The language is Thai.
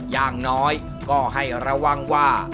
อย่างน้อยก็ให้ระวังว่า